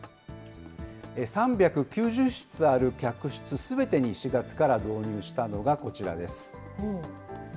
３９０室ある客室すべてに４月から導入したのがこちらです。